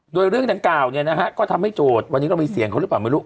โดยเรื่องดังกล่าวเนี่ยนะฮะก็ทำให้โจทย์วันนี้เรามีเสียงเขาหรือเปล่าไม่รู้